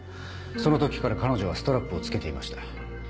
その時から彼女はストラップを付けていました。